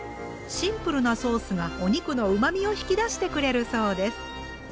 シンプルなソースがお肉のうまみを引き出してくれるそうです。